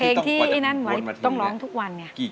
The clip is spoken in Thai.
เพลงที่ไอ้นั้นต้องร้องทุกวันเนี่ย